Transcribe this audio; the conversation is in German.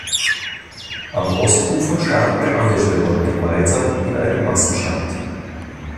Am Ostufer starten alle Schwimmer gemeinsam in einem Massenstart.